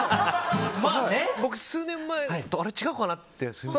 僕、数年前と違うのかなって。